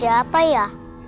itu siapa ya